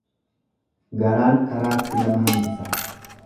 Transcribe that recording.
Garaan karaatti nama hambisa.